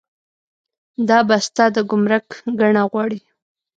دا بسته د ګمرک ګڼه غواړي.